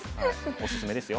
おすすめですよ。